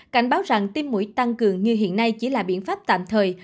cảnh báo rằng tim mũi tăng cường như hiện nay chỉ là biện pháp tạm thời